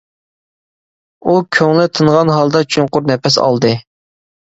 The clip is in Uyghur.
ئۇ كۆڭلى تىنغان ھالدا چوڭقۇر نەپەس ئالدى.